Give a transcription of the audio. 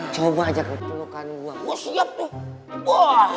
coba aja keperluan gue